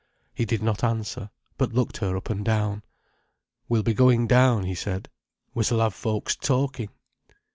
He did not answer, but looked her up and down. "We'll be going down," he said. "We s'll have folks talking."